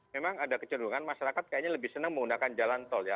memang ada kecenderungan masyarakat kayaknya lebih senang menggunakan jalan tol ya